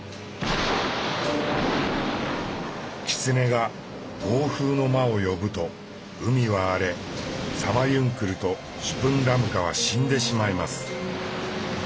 狐が「暴風の魔」を呼ぶと海は荒れサマユンクルとシュプンラムカは死んでしまいます。